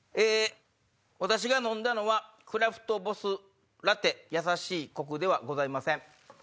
私が飲んだのはクラフトボスラテやさしいコクではございません。